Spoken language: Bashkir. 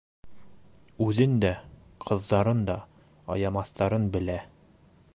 Үҙен дә, ҡыҙҙарын да аямаҫтарын белә.